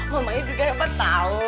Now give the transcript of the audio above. mamanya juga hebat tau